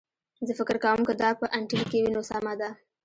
زه فکر کوم که دا په انټیل کې وي نو سمه ده